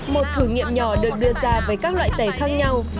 một thử nghiệm nhỏ được đưa ra với các loại tẩy khác nhau